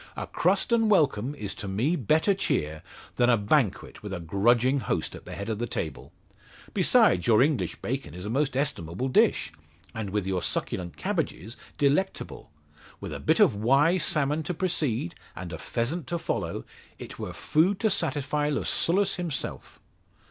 A crust and welcome is to me better cheer than a banquet with a grudging host at the head of the table. Besides, your English bacon is a most estimable dish, and with your succulent cabbages delectable. With a bit of Wye salmon to precede, and a pheasant to follow, it were food to satisfy Lucullus himself."